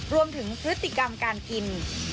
รวมถึงพฤติกรรมการกิน